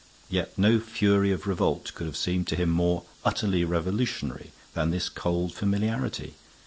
Yet no fury of revolt could have seemed to him more utterly revolutionary than this cold familiarity.